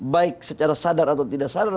baik secara sadar atau tidak sadar